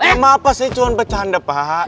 emang apa saya cuma pecanda pak